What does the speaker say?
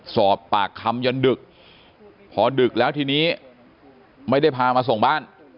สอบปากคำยันดึกพอดึกแล้วทีนี้ไม่ได้พามาส่งบ้าน